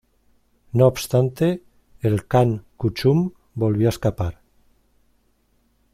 No obstante, el Kan Kuchum volvió a escapar.